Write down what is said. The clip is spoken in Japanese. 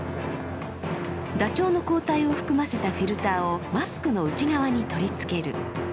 ダチョウの抗体を含ませたフィルターをマスクの内側に取りつける。